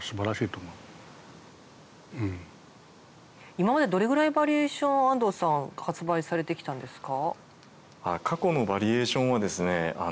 今までどれくらいバリエーション安藤さん発売されてきたんですか？